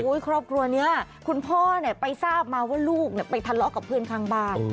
ครอบครัวนี้คุณพ่อเนี่ยไปทราบมาว่าลูกไปทะเลาะกับเพื่อนข้างบ้าน